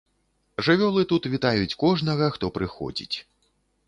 Жывёлы тут вітаюць кожнага, хто прыходзіць.